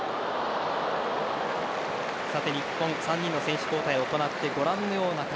日本、３人の選手交代を行ってご覧のような形。